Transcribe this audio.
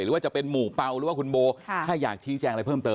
หรือว่าจะเป็นหมู่เปล่าหรือว่าคุณโบถ้าอยากชี้แจงอะไรเพิ่มเติม